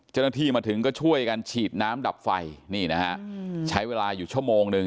เจ้าหน้าที่มาถึงก็ช่วยกันฉีดน้ำดับไฟนี่นะฮะใช้เวลาอยู่ชั่วโมงหนึ่ง